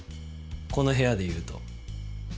この部屋でいうと。